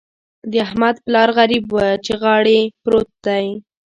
د احمد پلار غريب وچې غاړې پروت دی.